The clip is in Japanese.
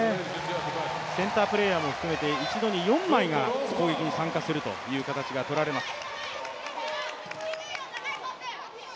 センタープレーヤーを含めて一度に四枚が攻撃に参加する形がとられます。